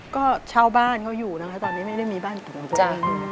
ก็เช่าบ้านเขาอยู่นะคะตอนนี้ไม่ได้มีบ้านติดกันไป